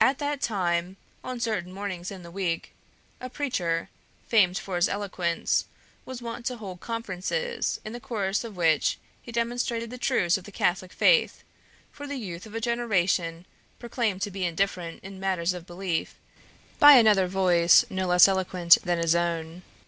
At that time, on certain mornings in the week, a preacher, famed for his eloquence, was wont to hold conferences, in the course of which he demonstrated the truths of the Catholic faith for the youth of a generation proclaimed to be indifferent in matters of belief by another voice no less eloquent than his own.